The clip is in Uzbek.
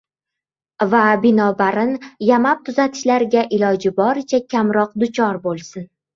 va binobarin, yamab tuzatishlarga iloji boricha kamroq duchor bo‘lsin.